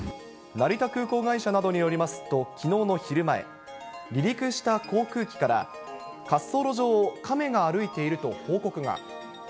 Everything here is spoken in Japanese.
成田空港会社などによりますと、きのうの昼前、離陸した航空機から、滑走路上をカメが歩いていると報告が。